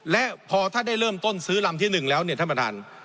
และพอถ้าได้เริ่มต้นซื้อลำที่๑แล้วเนี่ยท่านประธาน